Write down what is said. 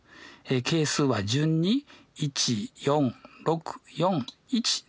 係数は順に１４６４１ですよね。